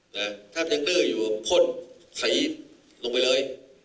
เนี่ยถ้าเป็นเกลืออยู่กับข้นขายลงไปเลย